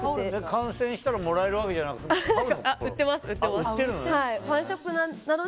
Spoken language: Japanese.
観戦したらもらえるわけじゃなくて買うの？